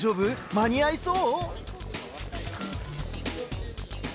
間に合いそう？